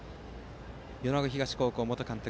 米子東高校元監督